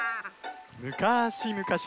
むかしむかし